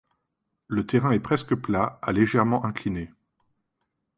Le terrain est presque plat à légèrement incliné.